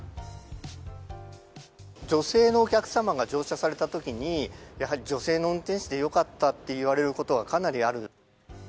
女性のお客様が乗車されたときに、やはり女性の運転手でよかったって言われることがかなりある。